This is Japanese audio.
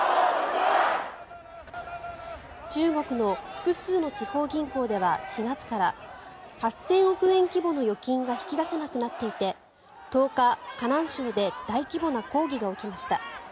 中国の複数の地方銀行では４月から８０００億円規模の預金が引き出せなくなっていて１０日、河南省で大規模な抗議が起きました。